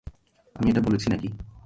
আমি এটা বলেছি নাকি?